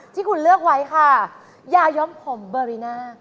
ที่คุณเลือกไว้ค่ะยาย้อมผมเบอริน่า